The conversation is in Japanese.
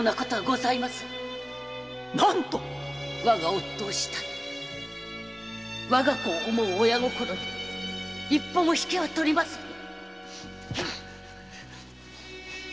夫を慕いわが子を思う親心に一歩もひけは取りませぬ